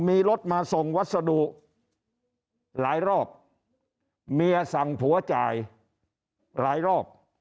มีรถมาส่งวัสดุหลายรอบเมียสั่งผัวจ่ายหลายรอบ